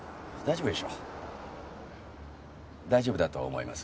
大丈夫だと思います。